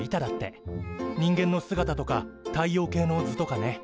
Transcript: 人間の姿とか太陽系の図とかね。